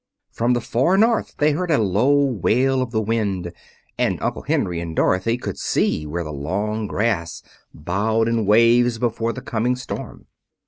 From the far north they heard a low wail of the wind, and Uncle Henry and Dorothy could see where the long grass bowed in waves before the coming storm.